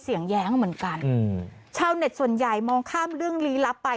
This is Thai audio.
แย้งเหมือนกันอืมชาวเน็ตส่วนใหญ่มองข้ามเรื่องลี้ลับไป